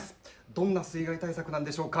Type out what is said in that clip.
どんな水害対策なんでしょうか？